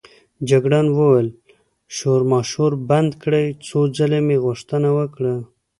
جګړن وویل: شورماشور بند کړئ، څو ځلې مې غوښتنه وکړه.